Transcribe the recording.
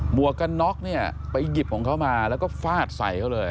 วกกันน็อกเนี่ยไปหยิบของเขามาแล้วก็ฟาดใส่เขาเลย